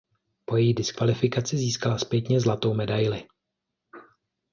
Po její diskvalifikaci získala zpětně zlatou medaili.